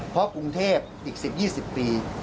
เพราะกรุงเทพอีก๑๐๒๐ปี